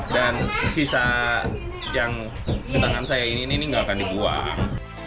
dan sisa yang tangan saya ini ini nggak akan dibuang